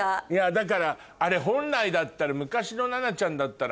だからあれ本来だったら。